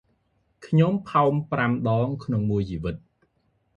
ខ្ញុំផោមប្រាំដងក្នុងមួយជីវិត។